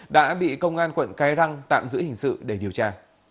đã bị công an quận cái răng tạm giữ hình sự để điều tra